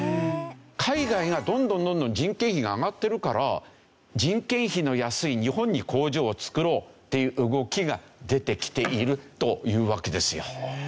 海外がどんどんどんどん人件費が上がってるから人件費の安い日本に工場を作ろうっていう動きが出てきているというわけですよ。